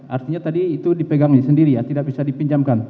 artinya tadi itu dipegang sendiri ya tidak bisa dipinjamkan